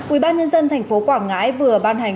ubnd tp quảng ngãi vừa ban hành